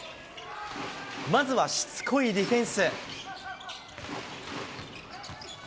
まずはしつこいディフェンス。